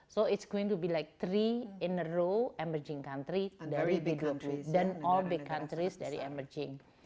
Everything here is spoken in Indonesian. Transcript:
jadi akan menjadi tiga negara yang berkembang dan semua negara besar yang berkembang